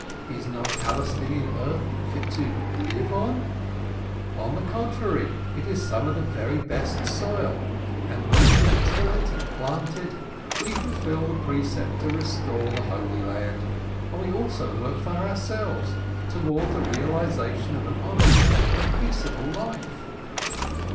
Is not Palestinian earth fit to live on ? On the contrary, it is some of the very best soil, and when we till it and plant it, we fulfil the precept to restore the Holy Land, and we also work for ourselves, toward the reali zation of an honest and peaceable life.